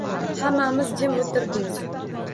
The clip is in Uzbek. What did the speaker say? Hammamiz jim o`tiribmiz